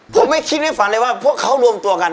ผมไม่คิดให้ฝันเลยว่าพวกเขารวมตัวกัน